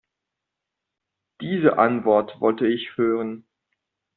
Diese Antwort wollte ich hören.